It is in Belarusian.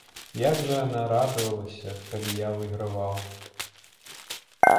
Як жа яна радавалася, калі я выйграваў.